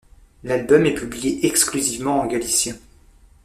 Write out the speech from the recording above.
L'album est publié exclusivement en galicien.